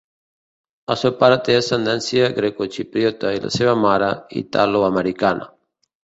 El seu pare té ascendència grecoxipriota i la seva mare, italoamericana.